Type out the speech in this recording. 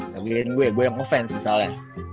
jagain gue gue yang offense misalnya